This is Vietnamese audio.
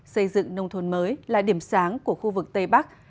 xây dựng nông thôn mới là điểm sáng của khu vực tây bắc